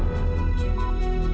pak aku mau pergi